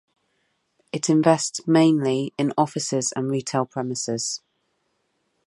It invests mainly in offices and retail premises.